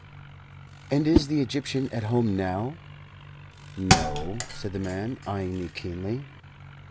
"And is the Egyptian at home now?" "No," said the man, eyeing me keenly.